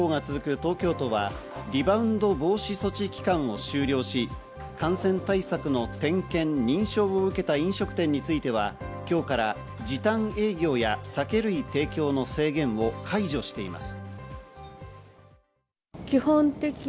東京都はリバウンド防止措置期間を終了し、感染対策の点検・認証を受けた飲食店については、今日から時短営業や酒類提供の制限を解除しています。